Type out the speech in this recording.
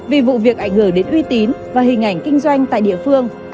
vì vụ việc ảnh hưởng đến uy tín và hình ảnh kinh doanh tại địa phương